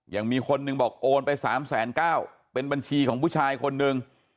ยังมีคนหนึ่งบอกโอนไป๓๙๐๐เป็นบัญชีของผู้ชายคนหนึ่ง